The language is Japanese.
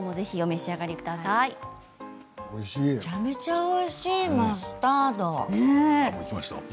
めちゃめちゃおいしいマスタード。